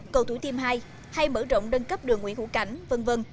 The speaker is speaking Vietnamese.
cầu thủy team hai hay mở rộng đơn cấp đường nguyễn hữu cảnh v v